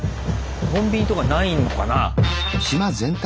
コンビニとかないのかな？